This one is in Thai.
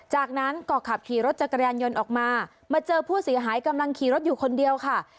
จากนั้นก็ขับขี่รถจักรยานยนต์ออกมามาเจอผู้เสียหายกำลังขี่รถอยู่คนเดียวค่ะ